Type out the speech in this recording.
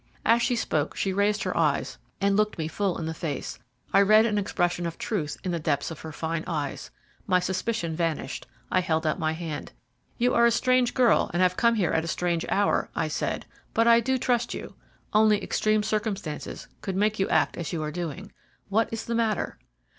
As she spoke she raised her eyes and looked me full in the face. I read an expression of truth in the depths of her fine eyes. My suspicion vanished; I held out my hand. "You are a strange girl, and have come here at a strange hour," I said, "but I do trust you. Only extreme circumstances could make you act as you are doing. What is the matter?"